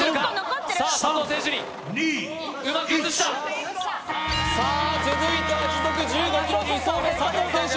さあ佐藤選手にうまく移したさあ続いては時速１５ｋｍ２走の佐藤選手